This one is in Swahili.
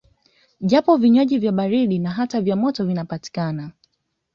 Japo vinywaji baridi na hata vya moto vinapatikana